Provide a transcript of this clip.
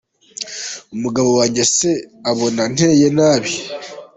Umugabo wanjye se abona nteye nabi ?.